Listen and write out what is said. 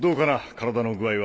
体の具合は。